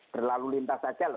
berlalu lintas saja loh